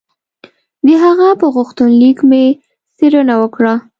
د هغه په غوښتنلیک مې څېړنه وکړه.